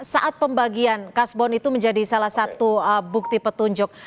saat pembagian kasbon itu menjadi salah satu bukti petunjuk